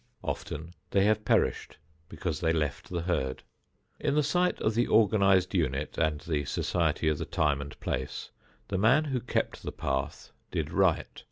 Often they have perished because they left the herd. In the sight of the organized unit and the society of the time and place, the man who kept the path did right.